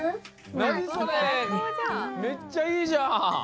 なにそれめっちゃいいじゃん！